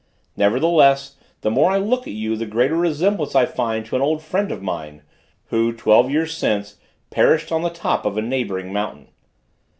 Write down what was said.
Nevertheless, the more I look at you, the greater resemblance I find to an old friend of mine, who twelve years since perished on the top of a neighboring mountain."